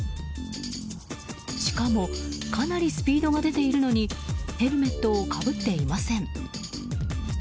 しかもかなりスピードが出ているのにヘルメットをかぶっていません。